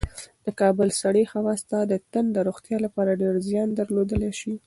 د کابل سړې هوا ستا د تن د روغتیا لپاره ډېر زیان درلودلی شي.